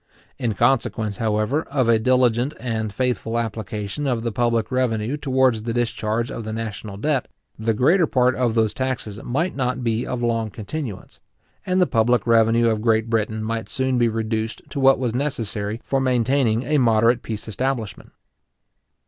In consequence, however, of a diligent and faithful application of the public revenue towards the discharge of the national debt, the greater part of those taxes might not be of long continuance, and the public revenue of Great Britain might soon be reduced to what was necessary for maintaining a moderate peace establishment.